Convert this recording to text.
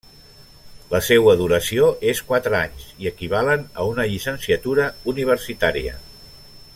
La seua duració és quatre anys i equivalen a una llicenciatura universitària.